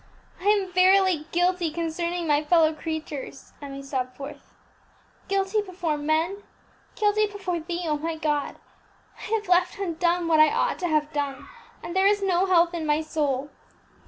"I am verily guilty concerning my fellow creatures," Emmie sobbed forth; "guilty before men, guilty before Thee, O my God! I have left undone what I ought to have done, and there is no health in my soul.